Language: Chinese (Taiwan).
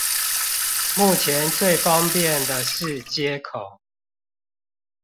目前最方便的是街口